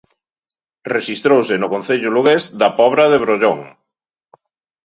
Rexistrouse no concello lugués da Pobra de Brollón.